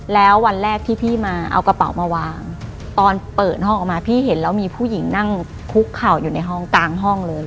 แล้ววันแรกที่พี่มาเอากระเป๋ามาวางตอนเปิดห้องออกมาพี่เห็นแล้วมีผู้หญิงนั่งคุกเข่าอยู่ในห้องกลางห้องเลย